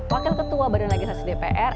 wakil ketua badan legislasi dpr